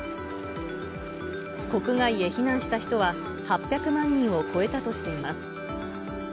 国外へ避難した人は８００万人を超えたとしています。